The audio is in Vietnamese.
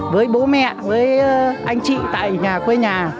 với bố mẹ với anh chị tại nhà quê nhà